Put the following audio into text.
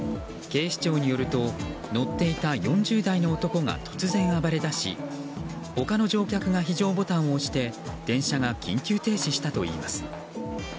警視庁によると乗っていた４０代の男が突然暴れだし他の乗客が非常ボタンを押して電車が緊急停止したといいます。